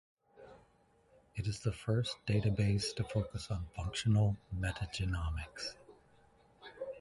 It is the first database to focus on functional metagenomics.